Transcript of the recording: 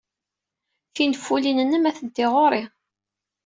Tinfulin-nnem atenti ɣer-i.